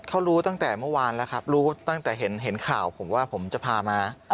เขารู้ตั้งแต่เมื่อวานแล้วครับรู้ตั้งแต่เห็นข่าวผมว่าผมจะพามา